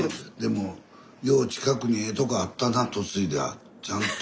でもよう近くにええとこあったな嫁いだちゃんと。